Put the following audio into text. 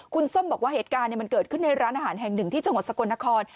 คุณส้มบอกว่าเหตุการณ์มันเกิดขึ้นในร้านอาหารแห่งหนึ่งที่จังหวัดสกลนคร